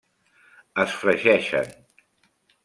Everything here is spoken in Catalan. Es fregeixen.